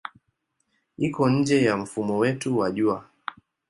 Iko nje ya mfumo wetu wa Jua.